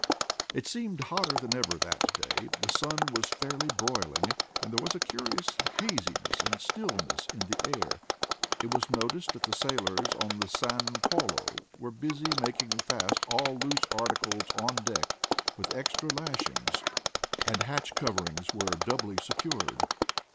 It seemed hotter than ever that day. The sun was fairly broiling, and there was a curious haziness and stillness to the air. It was noticed that the sailors on the San Paulo were busy making fast all loose articles on deck with extra lashings, and hatch coverings were doubly secured.